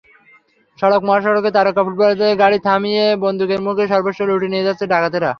সড়ক-মহাসড়কে তারকা ফুটবলারদের গাড়ি থামিয়ে বন্দুকের মুখে সর্বস্ব লুটে নিয়ে যাচ্ছে ডাকাতেরা।